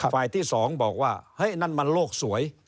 ฝ่ายที่สองบอกว่านั่นมันโรคสวย